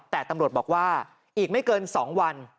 แต่ตำรวจบอกว่าอีกไม่เกิน๒วัน